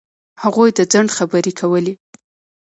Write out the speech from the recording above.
هغوی د ځنډ خبرې کولې.